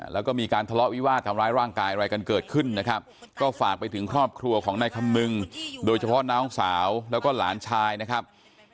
แล้วก็มีการทะเลาะวิวาดทำร้ายร่างกายอะไรกันเกิดขึ้นนะครับก็ฝากไปถึงครอบครัวของนายคำนึงโดยเฉพาะน้องสาวแล้วก็หลานชายนะครับ